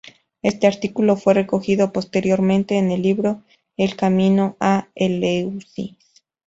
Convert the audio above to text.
Este artículo fue recogido posteriormente en el libro "El camino a Eleusis".